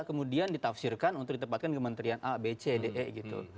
kemudian ditafsirkan untuk ditempatkan kementerian a b c d e gitu